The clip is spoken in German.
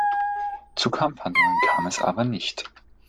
Zu Kampfhandlungen kam es aber nicht.